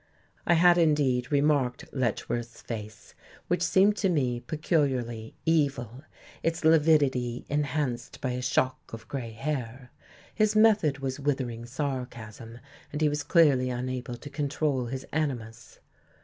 I had, indeed, remarked Letchworth's face, which seemed to me peculiarly evil, its lividity enhanced by a shock of grey hair. His method was withering sarcasm, and he was clearly unable to control his animus....